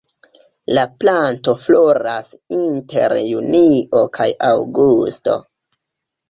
La planto floras inter junio kaj aŭgusto.